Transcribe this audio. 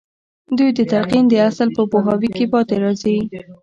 دوی د تلقين د اصل په پوهاوي کې پاتې راځي.